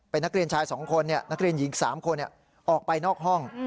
เป็นนักเรียนชาย๒คนนักเรียนหญิง๓คนออกไปนอกห้อง